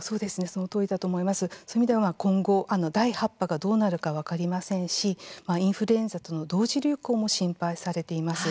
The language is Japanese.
そういう意味では今後、第８波がどうなるか分かりませんしインフルエンザとの同時流行も心配されています。